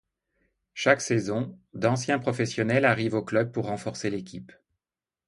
Chaque saison, d'anciens professionnels arrivent au club pour renforcer l'équipe.